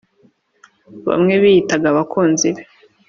Bamwe biyitaga abakunzi be.